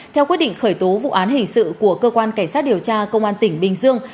theo quyết định khởi tố vụ án hình sự của cơ quan cảnh sát điều tra công an tỉnh bình dương